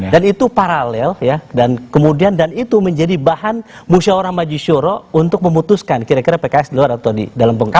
dan itu paralel ya dan kemudian dan itu menjadi bahan musyawarah majiswara untuk memutuskan kira kira pks di luar atau di dalam pemerintahan